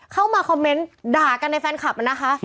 เข้ามาคอมเมนต์ด่ากันในแฟนคลับนะคะ